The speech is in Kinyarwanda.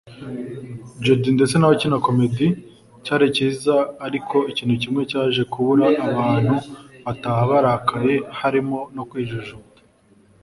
Jody ndetse n’abakina comedy cyari cyiza ariko ikintu kimwe cyaje kubura abantu bataha barakaye harimo no kwijujuta